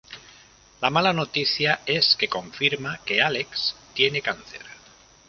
La mala noticia es que confirma que Alex tiene cáncer.